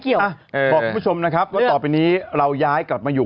เกี่ยวเออบอกคุณผู้ชมนะครับก็ต่อไปนี้เราย้ายกลับมาอยู่